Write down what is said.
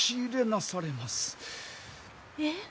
え？